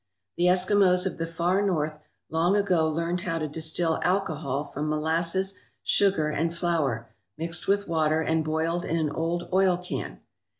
The Eskimos of the Far North long ago learned how to distil alcohol from molasses, sugar, and flour, mixed with water and boiled in an old oil can.